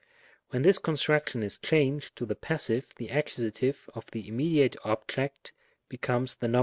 When this construction is changed to the passive, the Accus. of the immediate object be comes the Nom.